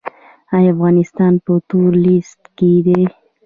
آیا افغانستان په تور لیست کې دی؟